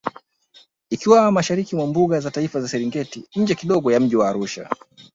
Ikiwa Mashariki mwa Mbuga za Taifa za Serengeti nje kidogo ya mji wa Arusha